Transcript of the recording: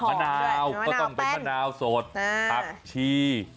มะนาวเป้งมะนาวสดผักชี